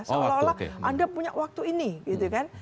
seolah olah anda punya waktu ini gitu kan